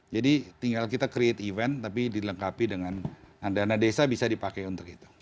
jadi tinggal kita create event tapi dilengkapi dengan dana desa bisa dipakai untuk itu